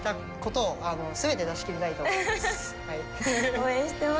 応援してます。